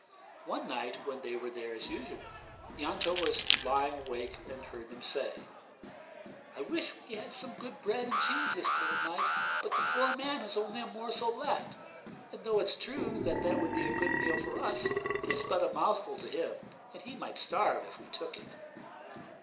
One night when they were there as usual, Ianto was lying wide awake and heard them say, 'I wish we had some good bread and cheese this cold night, but the poor man has only a morsel left; and though it's true that would be a good meal for us, it is but a mouthful to him, and he might starve if we took it.'